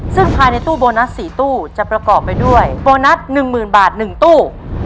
ซึ่งภายในตู้โบนัส๔ตู้จะประกอบไปด้วยโบนัส๑๐๐๐บาท๑ตู้